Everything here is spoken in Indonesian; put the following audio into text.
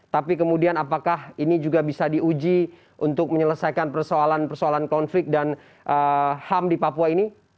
tapi kemudian apakah ini juga bisa diuji untuk menyelesaikan persoalan persoalan konflik dan ham di papua ini